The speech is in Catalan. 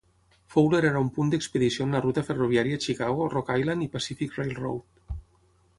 Fowler era un punt d'expedició en la ruta ferroviària Chicago, Rock Island i Pacific Railroad.